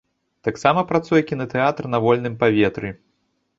Таксама працуе кінатэатр на вольным паветры.